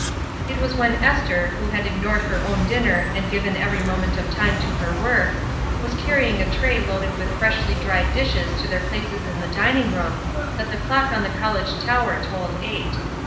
It was when Esther, who had ignored her own dinner and given every moment of time to her work, was carrying a tray loaded with freshly dried dishes to their places in the dining room that the clock on the college tower tolled eight.